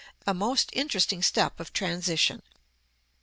a most interesting step of transition.